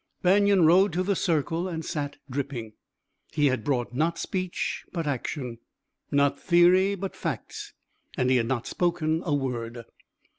Banion rode to the circle and sat dripping. He had brought not speech but action, not theory but facts, and he had not spoken a word.